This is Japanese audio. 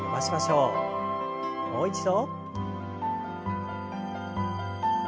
もう一度。